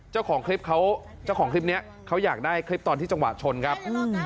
เจ้าของคลิปเขาเจ้าของคลิปนี้เขาอยากได้คลิปตอนที่จังหวะชนครับ